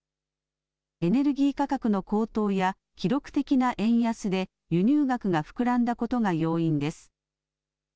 エネルギー価格の高騰や記録的な円安で輸入額が膨らんだことが要因です。